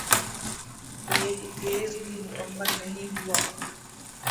ایک کیس بھی مکمل نہیں ہوا۔